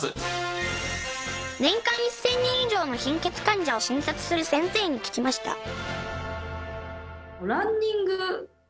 年間１０００人以上の貧血患者を診察する先生に聞きました